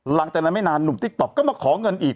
หลังจากนั้นไม่นานหนุ่มติ๊กต๊อกก็มาขอเงินอีก